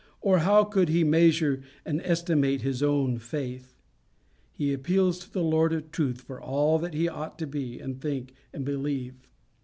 or how could he measure and estimate his own faith? he appeals to the Lord of Truth for all that he ought to be, and think, and believe.